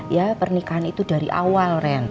ya pernikahan itu dari awal ren